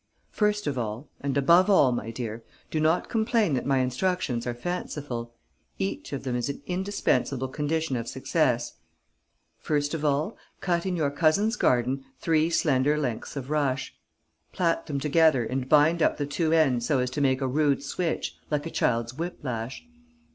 "First of all and above all, my dear, do not complain that my instructions are fanciful: each of them is an indispensable condition of success first of all, cut in your cousin's garden three slender lengths of rush. Plait them together and bind up the two ends so as to make a rude switch, like a child's whip lash.